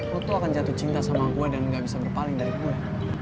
lo tuh akan jatuh cinta sama gue dan gak bisa berpaling dari gue